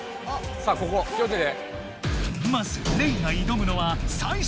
さあここ気をつけて！